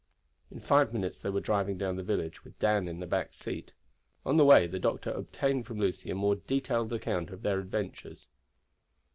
In five minutes they were driving down the village, with Dan in the back seat. On the way the doctor obtained from Lucy a more detailed account of their adventures.